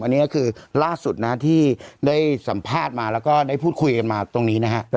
อันนี้ก็คือล่าสุดนะที่ได้สัมภาษณ์มาแล้วก็ได้พูดคุยกันมาตรงนี้นะฮะ